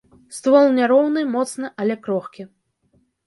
Ствол няроўны, моцны, але крохкі.